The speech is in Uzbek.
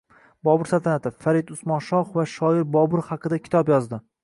Bobur saltanati — Farid Usmon shoh va shoir Bobur haqida kitob yozdi